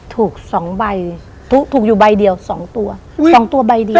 ถูก๒ใบถูกอยู่ใบเดียว๒ตัวได้ไป๒๐๐๐มัวไป๒๐๐๐ใบ